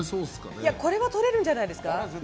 これはとれるんじゃないですか？